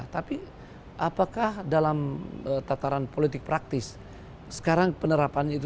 tapi apakah dalam tataran politik praktis sekarang penerapan itu